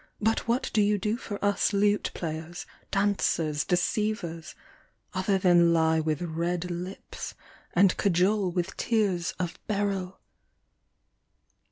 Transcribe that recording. But what do you do for us Lute players, dancers, deceivers, Other than lie with red lips And cajole with tears of beryl